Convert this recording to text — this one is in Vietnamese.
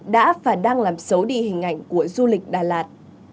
đã và đang làm xấu đi hình ảnh của du lịch đà lạt